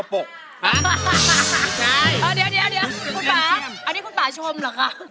เดี๋ยวคุณป่าอันนี้คุณป่าชมเหรอคะ